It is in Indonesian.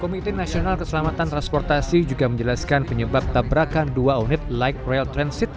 komite nasional keselamatan transportasi juga menjelaskan penyebab tabrakan dua unit light rail transit